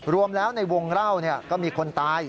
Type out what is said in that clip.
รวมแล้วในวงเล่าก็มีคนตาย